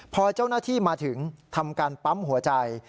พอเจ้าหน้าที่มาถึงทำการปั๊มหัวใจ